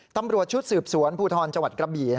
ตำรวจชุดสืบสวนภูทรจังหวัดกระบี่